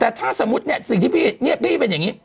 แต่ถ้าสมมุติเนี่ยสิ่งที่พี่เนี่ยพี่เป็นอย่างนี้